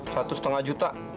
satu setengah juta